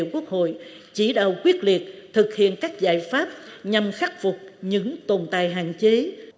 quốc hội chỉ đạo quyết liệt thực hiện các giải pháp nhằm khắc phục những tồn tại hạn chế